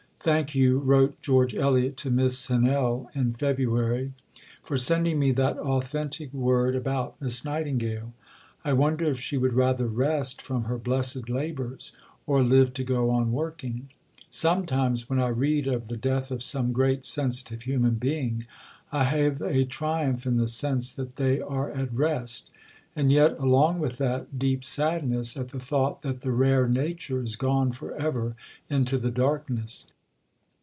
"Thank you," wrote George Eliot to Miss Hennell in February, "for sending me that authentic word about Miss Nightingale. I wonder if she would rather rest from her blessed labours, or live to go on working. Sometimes when I read of the death of some great sensitive human being, I have a triumph in the sense that they are at rest; and yet, along with that, deep sadness at the thought that the rare nature is gone for ever into the darkness."